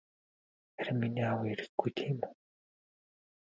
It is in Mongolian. Харин миний аав ирэхгүй тийм үү?